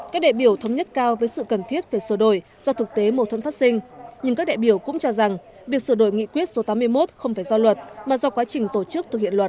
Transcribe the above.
các đại biểu thống nhất cao với sự cần thiết về sửa đổi do thực tế mâu thuẫn phát sinh nhưng các đại biểu cũng cho rằng việc sửa đổi nghị quyết số tám mươi một không phải do luật mà do quá trình tổ chức thực hiện luật